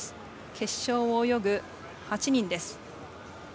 決勝を泳ぐ８人です。